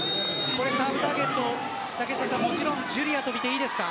次のターゲットジュリアと見ていいですか。